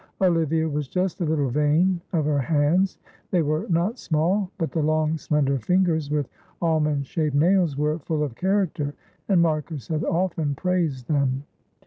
Olivia was just a little vain of her hands; they were not small, but the long slender fingers with almond shaped nails were full of character, and Marcus had often praised them.